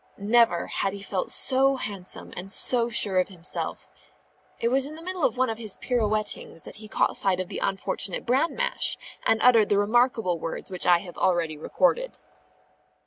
Never had he felt so handsome and so sure of himself. It was in the middle of one of his pirouettings, that he caught sight of the unfortunate bran mash, and uttered the remarkable words which I have already recorded.